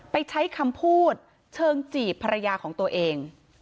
ไปใช้คำพูดเชิงจีบภรรยาของตัวเอง